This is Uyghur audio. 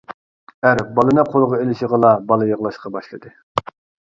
ئەر بالىنى قولغا ئېلىشىغىلا بالا يىغلاشقا باشلىدى.